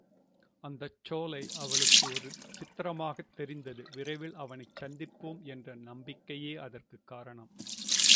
அந்தச் சோலை அவளுக்கு ஒரு சித்திரமாகத் தெரிந்தது விரைவில் அவனைச் சந்திப்போம் என்ற நம்பிக்கையே அதற்குக் காரணம்.